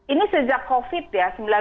ini sejak covid ya